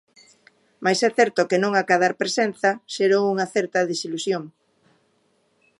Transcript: Mais é certo que non acadar presenza xerou unha certa desilusión.